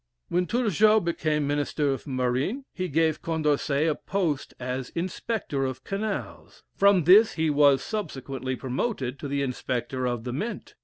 '" When Turgot became Minister of Marine, he gave Condorcet a post as Inspector of Canals; from this he was subsequently promoted to the Inspector of the Mint.